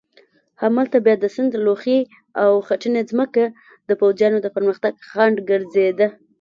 همالته بیا د سیند لوخې او خټینه مځکه د پوځیانو د پرمختګ خنډ ګرځېده.